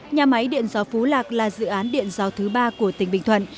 nhà máy điện gió phú lạc là dự án điện gió thứ ba của tỉnh bình thuận